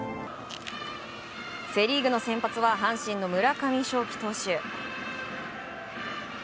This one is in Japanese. セリーグの先発は阪神の村上頌樹投手。